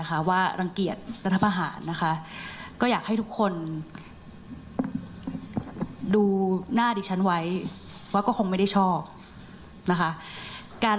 ๒ครั้งนะค่ะ